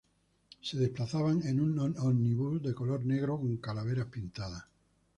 Se desplazaban en un ómnibus de color negro con calaveras pintadas.